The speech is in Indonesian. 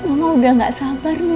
mama udah gak sabar nih